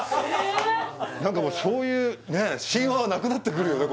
何かもうそういうね神話はなくなってくるよね